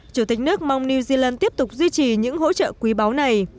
chủ tịch nước mong new zealand tiếp tục duy trì những hỗ trợ quý báu này